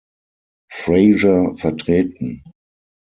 Fraser vertreten.